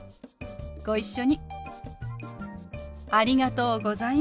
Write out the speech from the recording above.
ご一緒に。